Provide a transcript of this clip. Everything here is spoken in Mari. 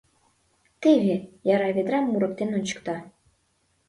Теве! — яра ведрам мурыктен ончыкта.